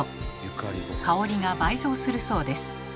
香りが倍増するそうです。